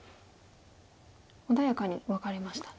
穏やかにワカれましたね。